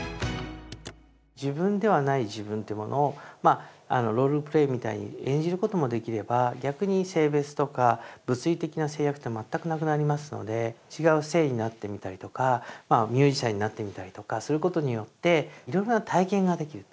自分ではない自分というものをロールプレイみたいに演じることもできれば逆に性別とか物理的な制約って全くなくなりますので違う性になってみたりとかミュージシャンになってみたりとかすることによっていろいろな体験ができる。